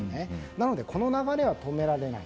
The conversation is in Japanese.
なので、この流れは止められない。